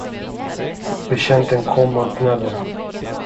Betjänten kom och öppnade.